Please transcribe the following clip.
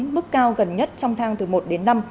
mức cao gần nhất trong thang từ một đến năm